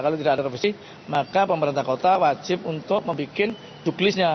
kalau tidak ada revisi maka pemerintah kota wajib untuk membuat juklisnya